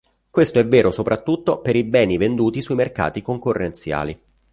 Questo è vero soprattutto per i beni venduti sui mercati concorrenziali.